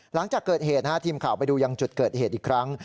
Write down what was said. หลังจากเกิดเหตุทีมข่าวไปดูยังจุดเกิดเหตุอีกครั้ง